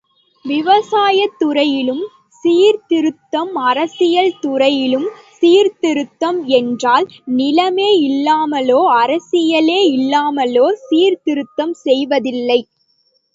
விவசாயத்துறையில் சீர்திருத்தம் அரசியல் துறையில் சீர்திருத்தம் என்றால், நிலமே இல்லாமலோ அரசியலே இல்லாமலோ சீர்திருத்தம் செய்வதில்லை.